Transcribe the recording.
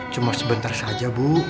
cuma sebentar saja bu